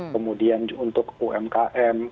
kemudian untuk umkm